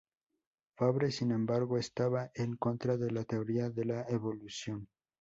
Fabre, sin embargo, estaba en contra de la teoría de la evolución.